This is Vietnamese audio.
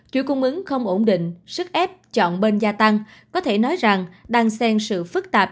chuỗi cung ứng không ổn định sức ép chọn bên gia tăng có thể nói rằng đang sen sự phức tạp